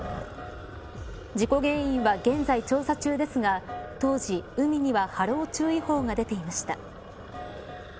事故原因は現在調査中ですが当時、海には波浪注意報が出ていました。